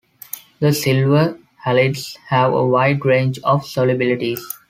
The silver halides have a wide range of solubilities.